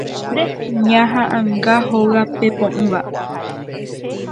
Ñohaʼãnga Hóga Pepoʼỹva.